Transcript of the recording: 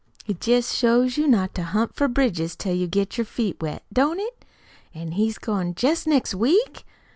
It jest shows you not to hunt for bridges till you get your feet wet, don't it? An' he's goin' jest next week?"